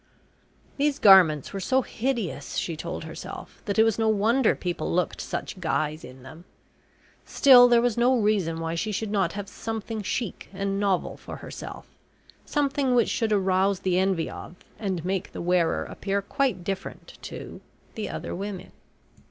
These garments were so hideous, she told herself, that it was no wonder people looked such guys in them. Still there was no reason why she should not have something chic and novel for herself something which should arouse the envy of, and make the wearer appear quite different to, the other women.